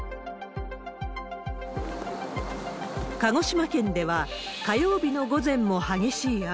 鹿児島県では、火曜日の午前も激しい雨。